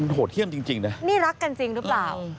โหดเยี่ยมจริงนะนี่รักกันจริงหรือเปล่า